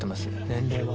年齢は。